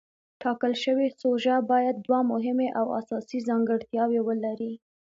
ټاکل شوې سوژه باید دوه مهمې او اساسي ځانګړتیاوې ولري.